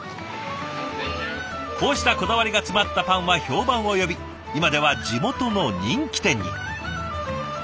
こうしたこだわりが詰まったパンは評判を呼び今では地元の人気店に。